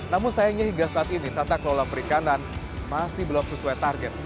namun sayangnya hingga saat ini tata kelola perikanan masih belum sesuai target